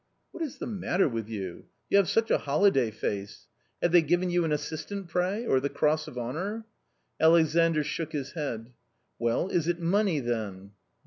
" What is the matter with you ? You have such a holiday face ! have they given you an assistant pray, or the cross of honour? " Alexandr shook his head. " Well, is it money, then